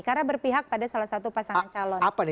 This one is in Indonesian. karena berpihak pada salah satu pasangan calon